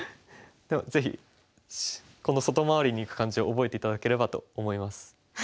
でもぜひこの外回りにいく感じを覚えて頂ければと思います。